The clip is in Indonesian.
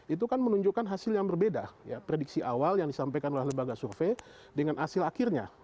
itu kan menunjukkan hasil yang berbeda prediksi awal yang disampaikan oleh lembaga survei dengan hasil akhirnya